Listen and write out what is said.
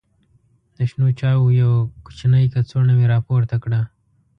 د شنو چایو یوه کوچنۍ کڅوړه مې راپورته کړه.